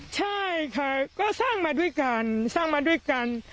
ใช่ค่ะก็สร้างมาด้วยกันสร้างมาด้วยกัน